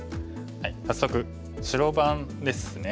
早速白番ですね。